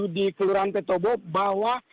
dua puluh tujuh di kelurahan petobo bahwa